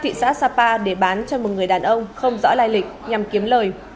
thị xã sapa để bán cho một người đàn ông không rõ lai lịch nhằm kiếm lời